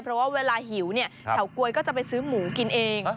เพราะว่าเวลาหิวเนี่ยเฉาก๊วยก็จะไปซื้อหมูกินเอง